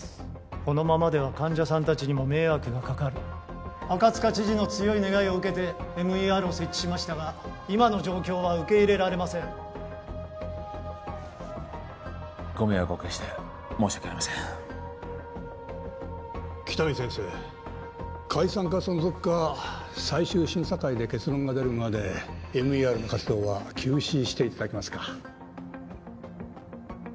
このままでは患者さん達にも迷惑がかかる赤塚知事の強い願いを受けてＭＥＲを設置しましたが今の状況は受け入れられませんご迷惑をおかけして申し訳ありません喜多見先生解散か存続か最終審査会で結論が出るまでＭＥＲの活動は休止していただけますか？